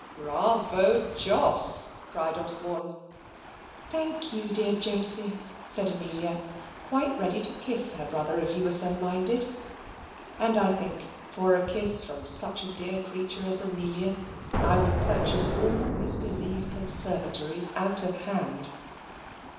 "Bravo, Jos!" cried Osborne. "Thank you, dear Joseph," said Amelia, quite ready to kiss her brother, if he were so minded. (And I think for a kiss from such a dear creature as Amelia, I would purchase all Mr. Lee's conservatories out of hand.)